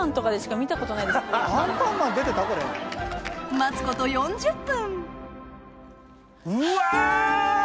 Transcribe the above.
待つこと４０分うわ！